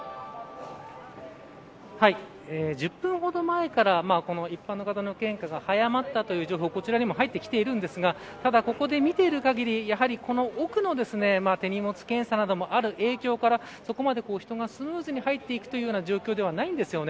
１０分ほど前からこの一般の方の献花が早まったという情報がこちらにも入ってきているんですがただ、ここで見ている限りやはり、この奥の手荷物検査などもある影響からそこまで人がスムーズに入っていくという状況ではないです。